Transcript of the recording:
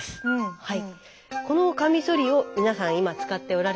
はい。